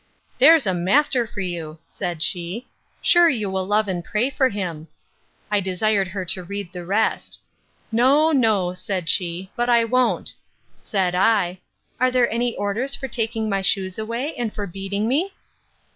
There's a master for you! said she: sure you will love and pray for him. I desired her to read the rest. No, no, said she, but I won't. Said I, Are there any orders for taking my shoes away, and for beating me?